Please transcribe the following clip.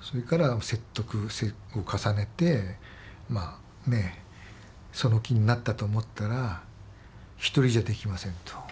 それから説得を重ねてその気になったと思ったら「一人じゃできません」と。